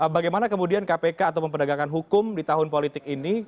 bagaimana kemudian kpk atau memperdagangkan hukum di tahun politik ini